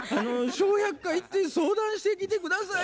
「『笑百科』行って相談してきて下さい」。